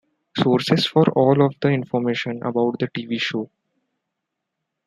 Sources for all of the information about the TV show.